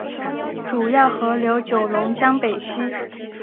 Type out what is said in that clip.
主要河流九龙江北溪。